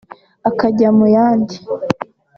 akajya muyandi